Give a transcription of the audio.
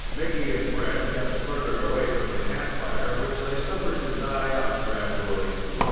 Mickey and Fred kept further away from the camp fire, which they suffered to die out gradually.